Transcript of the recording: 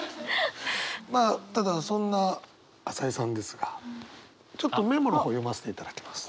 まあただそんな朝井さんですがちょっとメモの方読ませていただきます。